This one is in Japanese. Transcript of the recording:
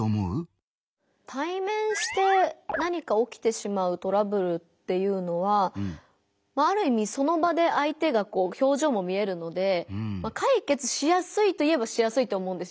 対面して何か起きてしまうトラブルっていうのはまあある意味その場で相手がこう表情も見えるので解決しやすいといえばしやすいと思うんですよ。